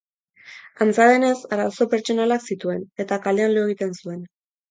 Antza denez, arazo pertsonalak zituen eta kalean lo egiten zuen.